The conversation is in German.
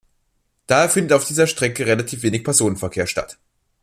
Daher findet auf dieser Strecke relativ wenig Personenverkehr statt.